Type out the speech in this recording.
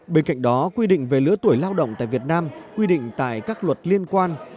bên cạnh đó quy định về lứa tuổi lao động tại việt nam quy định tại các luật liên quan